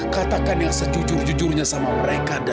katakannya sejujur jujurnya sama mereka da